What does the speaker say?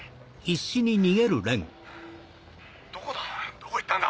どこだ？